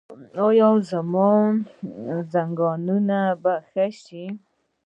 ایا زما زنګونونه به ښه شي؟